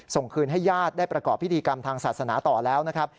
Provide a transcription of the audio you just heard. ส่งคืนให้ญาติได้ประกอบพิธีกรรมทางศาสนาต่อแล้วนะครับ